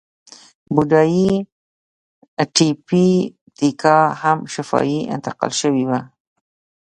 بودایي تیپي تیکا هم شفاهي انتقال شوې وه.